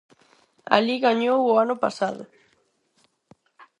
Alí gañou o ano pasado.